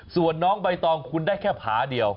ส่วนน้องใบตองคุณได้แค่ผาเดียว